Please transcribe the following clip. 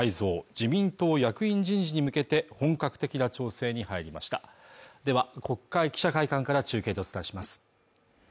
自民党役員人事に向けて本格的な調整に入りましたでは国会記者会館から中継でお伝えします